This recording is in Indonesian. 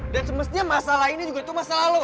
dan semestinya masalah ini juga itu masalah lo